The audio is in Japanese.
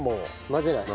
混ぜない。